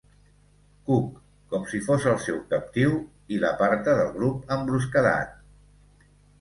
Cook, com si fos el seu captiu, i l'aparta del grup amb brusquedat.